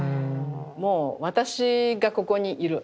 もう私がここにいる。